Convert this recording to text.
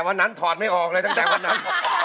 วันนั้นถอดไม่ออกเลยตั้งแต่วันนั้น